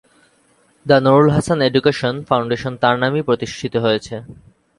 The Nurul Hasan Education Foundation তার নামেই প্রতিষ্ঠিত হয়েছে।